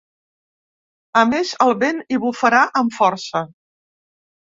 A més, el vent hi bufarà amb força.